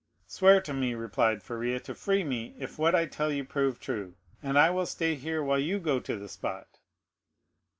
"Swear to me," replied Faria, "to free me if what I tell you prove true, and I will stay here while you go to the spot."